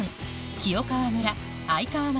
清川村愛川町